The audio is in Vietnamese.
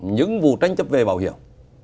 những vụ tranh chấp về bảo hiểm